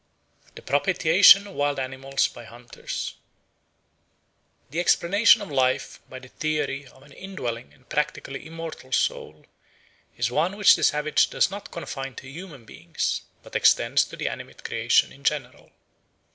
The Propitiation of Wild Animals By Hunters THE EXPLANATION of life by the theory of an indwelling and practically immortal soul is one which the savage does not confine to human beings but extends to the animate creation in general.